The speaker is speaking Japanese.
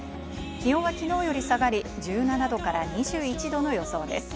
気温はきのうより下がり１７度２１度の予想です。